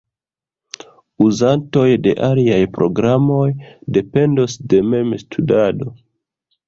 Uzantoj de aliaj programoj dependos de memstudado.